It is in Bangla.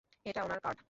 এটা উনার কার্ড।